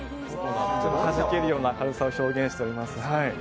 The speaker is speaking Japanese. はじけような明るさを表現しております